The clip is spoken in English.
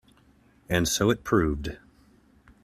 And so it proved.